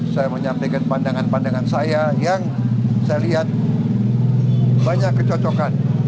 saya menyampaikan pandangan pandangan saya yang saya lihat banyak kecocokan